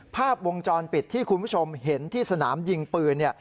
ภาพวงจรปิดที่คุณผู้ชมเห็นที่สนามยิงปืน